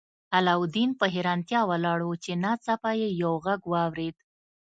علاوالدین په حیرانتیا ولاړ و چې ناڅاپه یې یو غږ واورید.